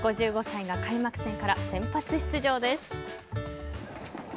５５歳が開幕戦から先発出場です。